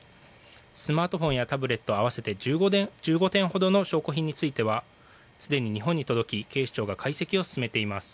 スマートフォンやタブレットなど合わせて１５点ほどの証拠品についてはすでに日本に届き警視庁が解析を進めています。